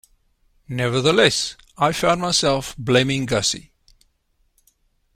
Nevertheless, I found myself blaming Gussie.